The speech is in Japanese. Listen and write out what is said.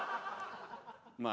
まあ。